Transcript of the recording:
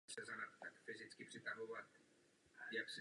Seriál je založen na původním komiksu Garfield.